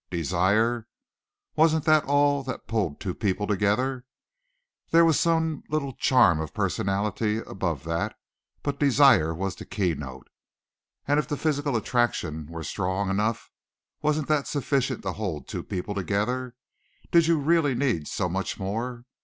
Desire! Wasn't that all that pulled two people together? There was some little charm of personality above that, but desire was the keynote. And if the physical attraction were strong enough, wasn't that sufficient to hold two people together? Did you really need so much more?